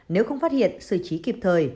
nếu không phát hiện sự trí kịp thời